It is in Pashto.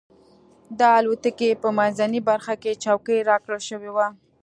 د الوتکې په منځۍ برخه کې چوکۍ راکړل شوې وه.